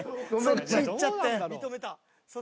そっちいっちゃってん。